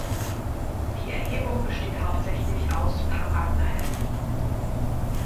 Die Erhebung besteht hauptsächlich aus Paragneisen.